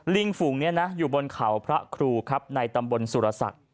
ฝุงนี้นะอยู่บนเขาพระครูครับในตำบลสุรศักดิ์